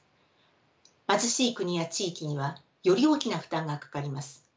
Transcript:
貧しい国や地域にはより大きな負担がかかります。